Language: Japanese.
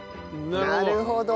なるほど。